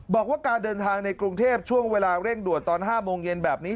บอกว่าการเดินทางในกรุงเทพช่วงเวลาเร่งด่วนตอน๕โมงเย็นแบบนี้